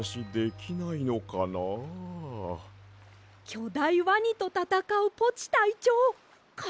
きょだいワニとたたかうポチたいちょうです。